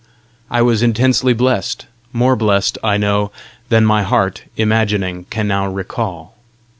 I was intensely blessed more blessed, I know, than my heart, imagining, can now recall.